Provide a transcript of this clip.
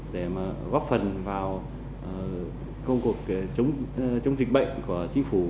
để góp phần vào công cuộc chống dịch bệnh của chính phủ